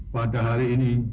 pada hari ini